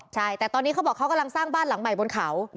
ใช่แต่ตอนนี้เขาบอกเขากำลังสร้างบ้านหลังใหม่บนเขา